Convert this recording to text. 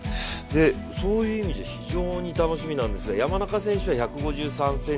そういう意味で非常に楽しみなんですが山中選手は１５３ｃｍ、２１歳。